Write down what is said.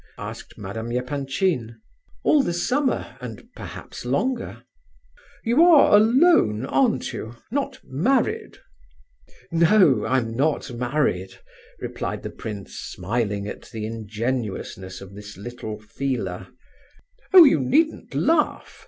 asked Madame Epanchin. "All the summer, and perhaps longer." "You are alone, aren't you,—not married?" "No, I'm not married!" replied the prince, smiling at the ingenuousness of this little feeler. "Oh, you needn't laugh!